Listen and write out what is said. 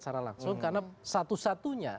secara langsung karena satu satunya